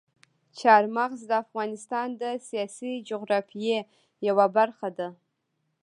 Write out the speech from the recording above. چار مغز د افغانستان د سیاسي جغرافیې یوه برخه ده.